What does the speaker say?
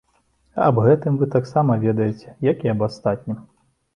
Аб гэтым вы таксама ведаеце, як і аб астатнім.